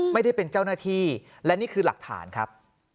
ไม่ได้เป็นเจ้าหน้าที่และนี่คือหลักฐานครับ